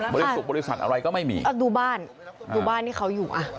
บริสุทธิ์บริษัทอะไรก็ไม่มีดูบ้านดูบ้านนี่เขาอยู่